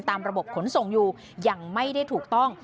ระบบขนส่งอยู่ยังไม่ได้ถูกต้อง